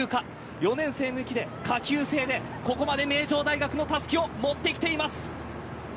４年生抜きで下級生でここまで名城大学のたすきを持ってきています。